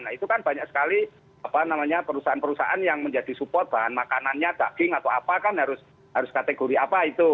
nah itu kan banyak sekali perusahaan perusahaan yang menjadi support bahan makanannya daging atau apa kan harus kategori apa itu